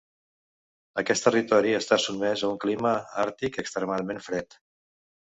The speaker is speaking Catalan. Aquest territori està sotmès a un clima àrtic extremadament fred.